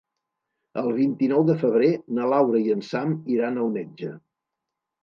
El vint-i-nou de febrer na Laura i en Sam iran al metge.